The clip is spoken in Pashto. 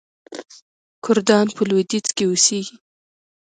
کردان په لویدیځ کې اوسیږي.